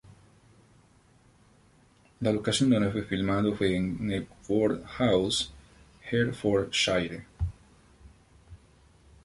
La locación donde fue filmado fue en Knebworth House, Hertfordshire.